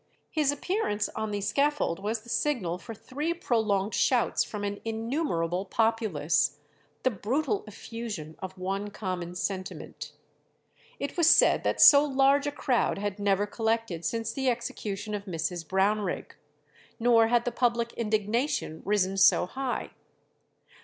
His appearance on the scaffold was the signal for three prolonged shouts from an innumerable populace, "the brutal effusion of one common sentiment." It was said that so large a crowd had never collected since the execution of Mrs. Brownrigg, nor had the public indignation risen so high.